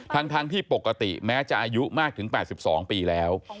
ทั้งที่ปกติแม้จะอายุมากถึง๘๒ปีแล้ว